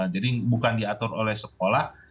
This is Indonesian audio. jadi bukan diatur oleh sekolah